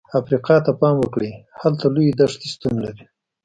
افریقا ته پام وکړئ، هلته لویې دښتې شتون لري.